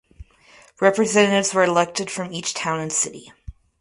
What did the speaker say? Representatives were elected from each town and city.